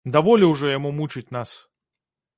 Даволі ўжо яму мучыць нас!